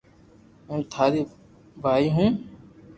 ھين ٽاري بائي ھون